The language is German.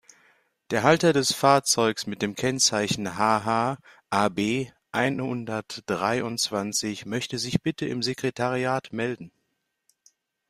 Der Halter des Fahrzeugs mit dem Kennzeichen HH-AB-einhundertdreiundzwanzig möchte sich bitte im Sekretariat melden.